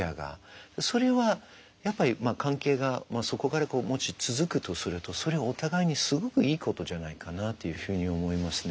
それはやっぱり関係がそこからもし続くとするとそれお互いにすごくいいことじゃないかなっていうふうに思いますね。